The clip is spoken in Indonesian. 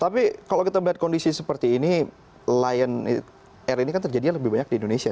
tapi kalau kita melihat kondisi seperti ini lion air ini kan terjadinya lebih banyak di indonesia